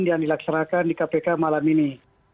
yang dilaksanakan di kpk malam ini